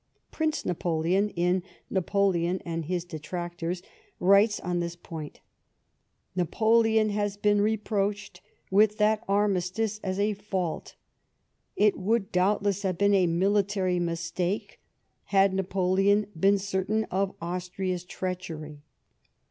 Prince Napoleon (Napoleon and his Detractors) writes on this point :" Napoleon has been reproaclicd wilh that armistice as a fault. It would, doubtless, have been a military mistake had Napoleon been certain of Austria's treachery."